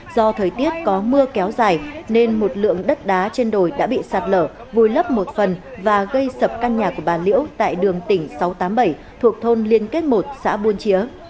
do thời tiết có mưa kéo dài nên một lượng đất đá trên đồi đã bị sạt lở vùi lấp một phần và gây sập căn nhà của bà liễu tại đường tỉnh sáu trăm tám mươi bảy thuộc thôn liên kết một xã buôn chĩa